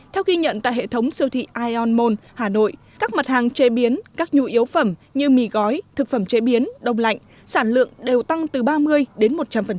theo ghi nhận tại hệ thống siêu thị ion moon hà nội các mặt hàng chế biến các nhu yếu phẩm như mì gói thực phẩm chế biến đông lạnh sản lượng đều tăng từ ba mươi đến một trăm linh